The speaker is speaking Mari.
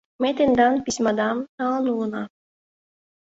Ме тендан письмадам налын улына.